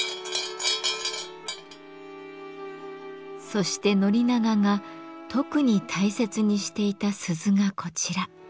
そして宣長が特に大切にしていた鈴がこちら。